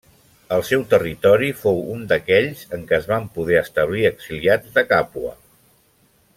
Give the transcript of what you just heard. El seu territori fou un d'aquells en què es van poder establir exiliats de Càpua.